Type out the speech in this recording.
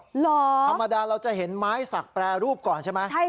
เหรอธรรมดาเราจะเห็นไม้สักแปรรูปก่อนใช่ไหม